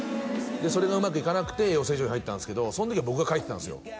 それがうまくいかなくて養成所に入ったんすけどその時は僕が書いてたんすよ